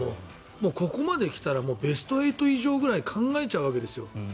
ここまで来たらベスト８以上ぐらい考えちゃうわけですよ。